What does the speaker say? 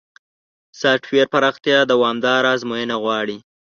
سافټویر پراختیا دوامداره ازموینه غواړي.